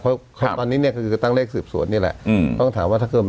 เพราะตอนนี้เนี่ยก็คือตั้งเลขสืบสวนนี่แหละอืมต้องถามว่าถ้าเกิด